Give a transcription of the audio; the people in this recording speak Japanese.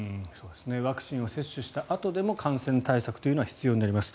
ワクチンを接種したあとでも感染対策というのは必要になります。